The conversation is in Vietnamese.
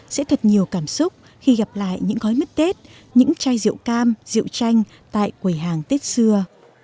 sẽ thật nhiều cảm xúc khi gặp lại những gói mứt tết những chai rượu cam rượu tranh tại quầy hàng tết xưa